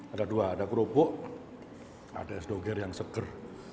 ada dua ada kerupuk ada es doger yang seger